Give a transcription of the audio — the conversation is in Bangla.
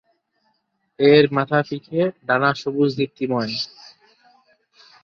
এর মাথা ফিকে, ডানা সবুজ দীপ্তিময়।